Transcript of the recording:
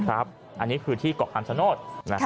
อันนี้คือที่เกาะอันสนด